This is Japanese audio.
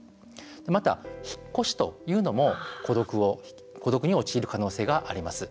また、引っ越しというのも孤独に陥る可能性があります。